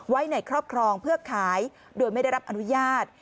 ไว้ในครอบครองเพื่อขายโดยไม่ได้รับอนุญาต